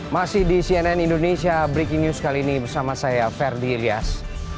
masih di cnn indonesia breaking news kali ini bersama saya ferdi ilyas